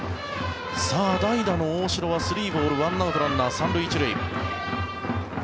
代打の大城は３ボール１アウトランナー３塁１塁。